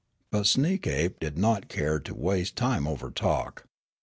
But Sneekape did not care to waste time over talk.